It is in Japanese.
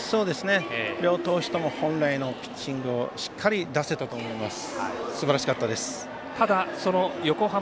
両投手とも本来のピッチングをしっかり出せたと思います。